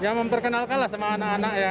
ya memperkenalkan lah sama anak anak ya